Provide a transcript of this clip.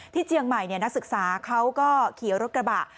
เจียงใหม่นักศึกษาเขาก็ขี่รถกระบะ